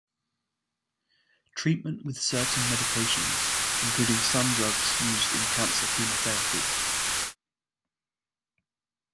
Treatment with certain medications, including some drugs used in cancer chemotherapy.